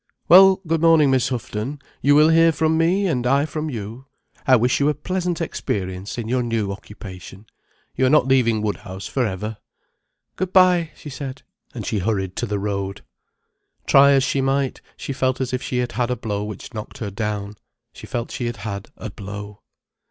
"Well, good morning, Miss Houghton. You will hear from me, and I from you. I wish you a pleasant experience in your new occupation. You are not leaving Woodhouse for ever." "Good bye!" she said. And she hurried to the road. Try as she might, she felt as if she had had a blow which knocked her down. She felt she had had a blow.